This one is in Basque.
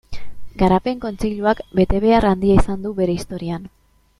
Garapen Kontseiluak betebehar handia izan du bere historian.